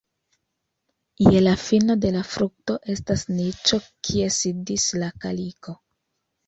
Je la fino de la frukto estas niĉo, kie sidis la kaliko.